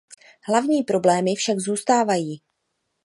Hlavní problémy však zůstávají.